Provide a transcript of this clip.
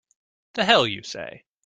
The hell you say!